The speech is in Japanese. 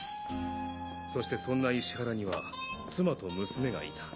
そしてそんな石原には妻と娘がいた。